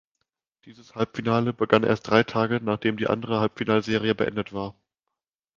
Dieses Halbfinale begann erst drei Tage nachdem die andere Halbfinalserie beendet war.